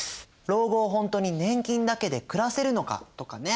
老後をほんとに年金だけで暮らせるのかとかね